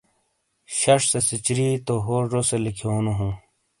شش سے سیچری تو ہو ژوسے لیکھیونو ہوں۔